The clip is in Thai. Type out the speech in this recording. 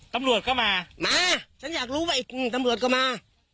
ตำรวจก็มามาฉันอยากรู้ไว้ตำรวจก็มา